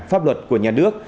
pháp luật của nhà nước